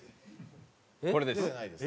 これです。